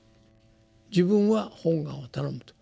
自分は本願をたのむと。